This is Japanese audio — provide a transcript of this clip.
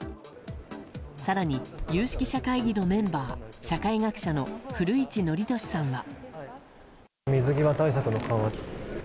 更に、有識者会議のメンバー社会学者の古市憲寿さんは。